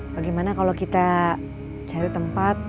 bagaimana kalau kita cari tempat